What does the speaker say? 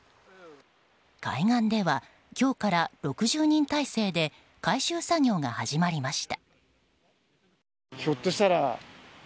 海岸では今日から６０人態勢で回収作業が始まりました。